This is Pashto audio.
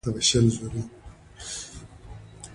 باسواده میندې د ماشومانو د لوبو اهمیت پېژني.